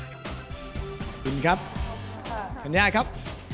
ขอบคุณครับฉันย่าครับ